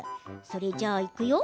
それじゃあ、いくよ！